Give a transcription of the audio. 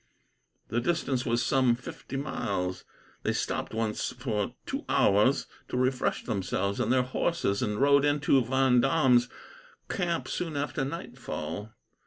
The distance was some fifty miles. They stopped once for two hours, to refresh themselves and their horses, and rode into Vendome's camp soon after nightfall.